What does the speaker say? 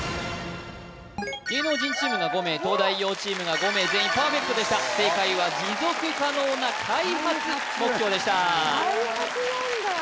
芸能人チームが５名東大王チームが５名全員パーフェクトでした正解は持続可能な開発目標でした開発なんだ